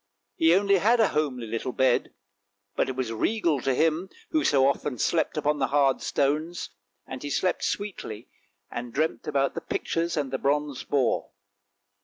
He only had a homely little bed, but it was regal to him, who so often slept upon the hard stones, and he slept sweetly and dreamt about the pictures and the bronze boar.